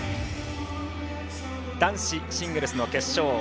男子シングルスの決勝。